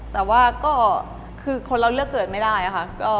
แต่ว่าก็คือคนเราเลือกเกิดไม่ได้ค่ะ